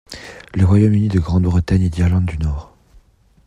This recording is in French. Le Royaume-Uni de Grande-Bretagne et d’Irlande du Nord.